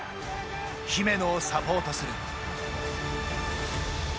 姫野をサポートする。